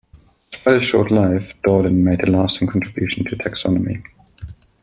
Despite his short life, Daudin made a lasting contribution to taxonomy.